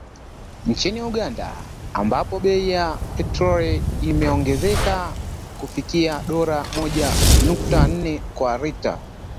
Nchini Uganda, ambapo bei ya petroli imeongezeka kufikia dola moja nukta nne kwa lita